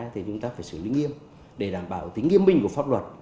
thì chúng ta phải xử lý nghiêm để đảm bảo tính nghiêm minh của pháp luật